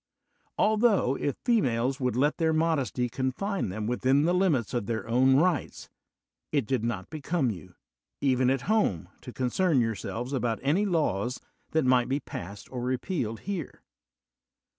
Altho if females would lei their modesty confine them within the limits oi their own rights, it did not become you, even at home, to concern yourselves about any laws that might be passed or repealed here."